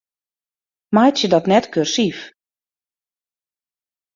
Meitsje dat net kursyf.